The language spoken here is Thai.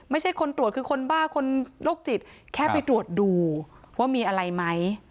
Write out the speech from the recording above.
ไม่ใช่คนตรวจคือคนบ้าคนโรคจิตแค่ไปตรวจดูว่ามีอะไรไหม